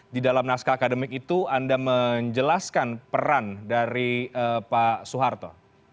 di dalam naskah akademik itu anda menjelaskan peran dari pak soeharto